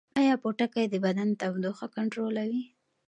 ایا پوټکی د بدن تودوخه کنټرولوي؟